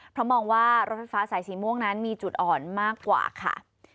เพราะมองว่ารถไฟฟ้าสายสีม่วงนั้นมีจุดอ่อนมากกว่าค่ะ